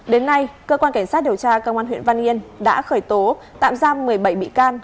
đến nay cơ quan cảnh sát điều tra công an huyện văn yên đã khởi tố tạm giam một mươi bảy bị can